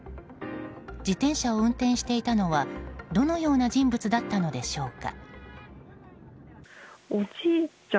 自転車を運転していたのはどのような人物だったのでしょうか。